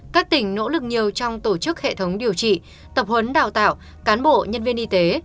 các tỉnh nỗ lực nhiều trong tổ chức hệ thống điều trị tập huấn đào tạo cán bộ nhân viên y tế